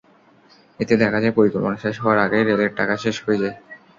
এতে দেখা যায়, পরিকল্পনা শেষ হওয়ার আগেই রেলের টাকা শেষ হয়ে যায়।